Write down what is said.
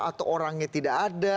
atau orangnya tidak ada